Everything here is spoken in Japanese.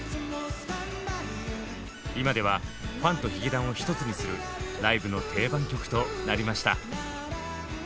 今ではファンとヒゲダンを一つにするライブの定番曲となりました。